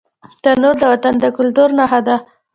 تنور د وطن د کلتور نښه ده